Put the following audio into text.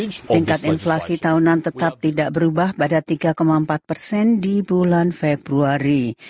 sehingga tingkat inflasi tahunan tetap tidak berubah pada tiga empat persen di bulan februari